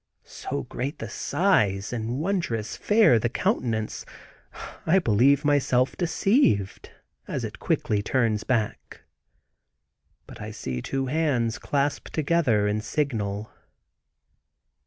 So great the size and wondrous fair the countenance I believed myself deceived, as it quickly turns back. But I see two hands clasp together in signal.